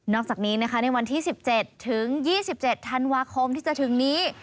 อกจากนี้นะคะในวันที่๑๗ถึง๒๗ธันวาคมที่จะถึงนี้